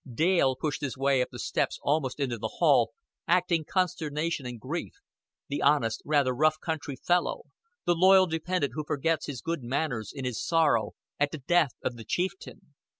Dale pushed his way up the steps almost into the hall, acting consternation and grief the honest, rather rough country fellow, the loyal dependent who forgets his good manners in his sorrow at the death of the chieftain.